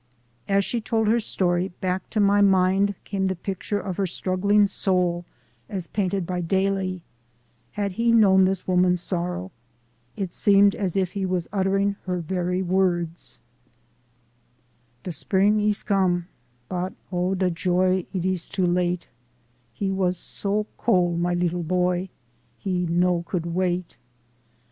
As she told her story back to my mind came the picture of her struggling soul as painted by Daly. Had he known this woman's sorrow? It seemed as if he was uttering her very words: AN IMMIGRANT COMMUNITY 237 "Da spreeng ees com'; but O da joy Eet ees too late! He was so cold, my leetla boy, He no could wait.